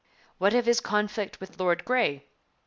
What of his conflict with Lord Grey?